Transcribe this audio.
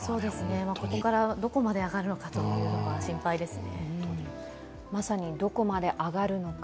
ここからどこまで上がるのかというのが心配ですよね。